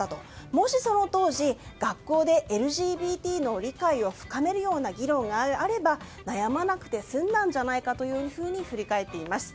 もしその当時学校でＬＧＢＴの理解を深めるような議論があれば悩まなくて済んだんじゃないかというふうに振り返っています。